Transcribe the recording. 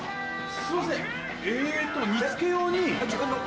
すいませんえと煮付け用に。